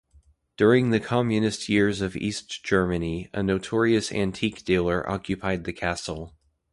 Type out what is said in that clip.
During the communist years of East Germany, a notorious antique dealer occupied the castle.